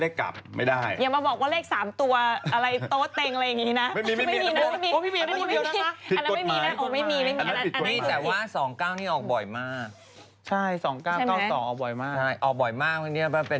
ไม่มีนะไม่มีไม่มีไม่มีไม่มีไม่มีไม่มีไม่มีไม่มีไม่มีไม่มีไม่มีไม่มีไม่มีไม่มีไม่มี